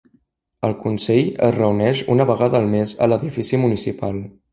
El consell es reuneix una vegada al mes a l'edifici municipal.